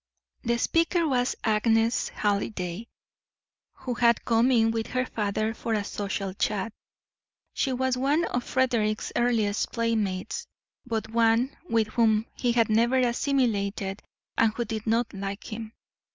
The speaker was Agnes Halliday, who had come in with her father for a social chat. She was one of Frederick's earliest playmates, but one with whom he had never assimilated and who did not like him.